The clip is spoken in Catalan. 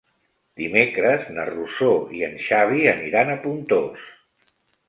Dimecres na Rosó i en Xavi aniran a Pontós.